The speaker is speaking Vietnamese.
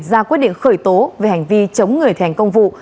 ra quyết định khởi tố về hành vi chống người thẻnh công vụ